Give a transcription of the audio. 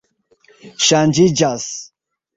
ŝanĝiĝas